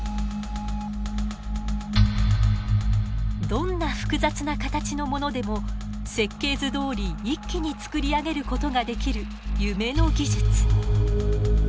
どんな複雑な形のものでも設計図どおり一気に作り上げることができる夢の技術。